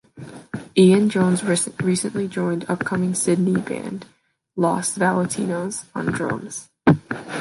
Ian Jones recently joined upcoming Sydney band, Lost Valentinos on drums.